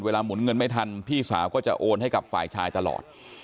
หมุนเงินไม่ทันพี่สาวก็จะโอนให้กับฝ่ายชายตลอด